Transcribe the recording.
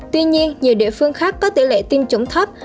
tuy nhiên nhiều địa phương khác có tỷ lệ tiêm chủng thấp